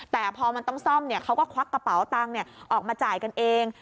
แต่พอมันต้องซ่อมเขาก็ควักกระเป๋าตังค์ออกมาจ่ายกันเอง